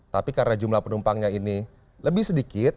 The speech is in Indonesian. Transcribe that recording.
tapi karena jumlah penumpangnya ini lebih sedikit